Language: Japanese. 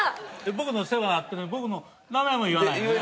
僕の世話になってるのに僕の名前も言わないね。